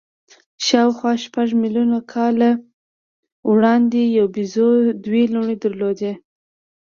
شاوخوا شپږ میلیونه کاله وړاندې یوې بیزو دوې لوڼې درلودې.